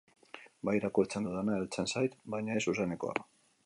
Bai, irakurtzen dudana heltzen zait, baina ez zuzenekoa.